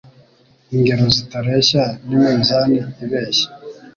Ingero zitareshya n’iminzani ibeshya